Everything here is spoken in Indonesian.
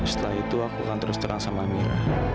setelah itu aku akan terus terang sama mila